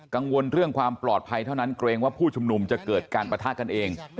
กังวลเรื่องความปลอดภัยเท่านั้นเกรงว่าผู้ชุมนุมจะเกิดการปะทะกันเอง